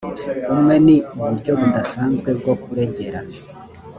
umwe ni uburyo budasanzwe bwo kuregera